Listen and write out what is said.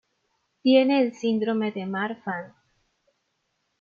Tiene el síndrome de Marfan.